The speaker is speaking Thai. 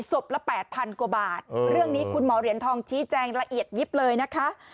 ละ๘๐๐๐กว่าบาทเรื่องนี้คุณหมอเหรียญทองชี้แจงละเอียดยิบเลยนะคะ